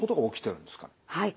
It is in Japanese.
はい。